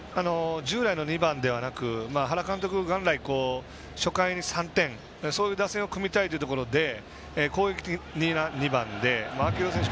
従来の２番ではなく原監督、元来初回に３点、そういう打線を組みたいということで攻撃的な２番で、秋広選手